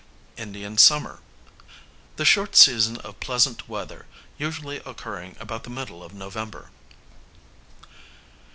Indian summer, the short season of pleasant weather usually occurring about the middle of November.